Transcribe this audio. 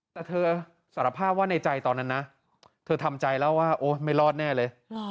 แต่เธอสารภาพว่าในใจตอนนั้นนะเธอทำใจแล้วว่าโอ๊ยไม่รอดแน่เลย